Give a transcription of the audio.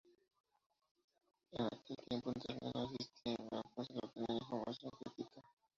En aquel tiempo Internet no existía y no era fácil obtener información crítica.